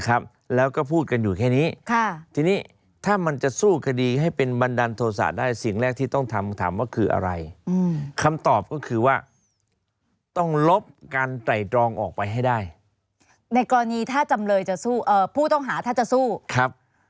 ค่ะค่ะค่ะค่ะค่ะค่ะค่ะค่ะค่ะค่ะค่ะค่ะค่ะค่ะค่ะค่ะค่ะค่ะค่ะค่ะค่ะค่ะค่ะค่ะ